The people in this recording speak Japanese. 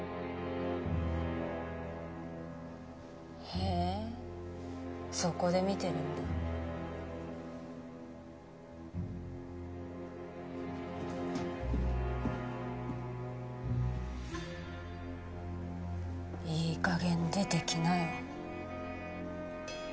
へえそこで見てるんだいいかげん出てきなよ